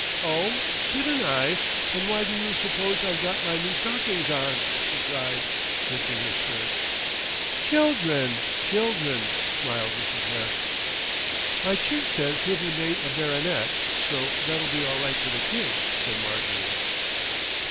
"Oh! didn't I, then why do you suppose I've got my new stockings on?" she cried, lifting her skirts. "Children, children," smiled Mrs. West. "My chief says he'll be made a baronet, so that'll be all right for the kids," said Marjorie.